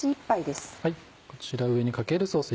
こちら上にかけるソース